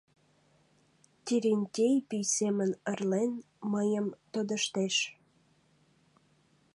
Терентей, пий семын ырлен, мыйым тодыштеш.